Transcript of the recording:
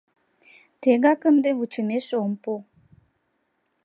Тегак ынде вучымеш ом пу.